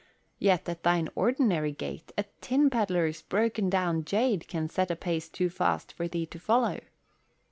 Yet at thine ordinary gait a tin pedlar's broken down jade can set a pace too fast for thee to follow."